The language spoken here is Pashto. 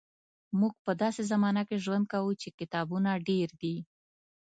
موږ په داسې زمانه کې ژوند کوو چې کتابونه ډېر دي.